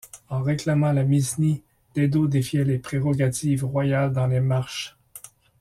En réclamant la Misnie, Dedo défiait les prérogatives royales dans les marches.